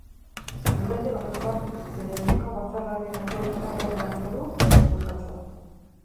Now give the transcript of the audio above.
Militante bakoitzak bere herriko batzarraren egoitzara joan beharko du bozkatzera.